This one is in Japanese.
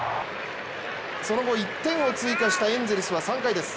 その後１点を追加したエンゼルスは３回です